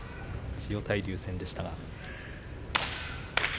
千代大龍戦でした。